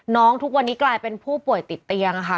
ทุกวันนี้กลายเป็นผู้ป่วยติดเตียงค่ะ